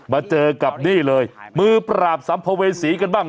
มาเจอกับนี่เลยมือปราบสัมภเวษีกันบ้าง